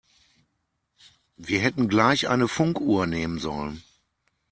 Wir hätten gleich eine Funkuhr nehmen sollen.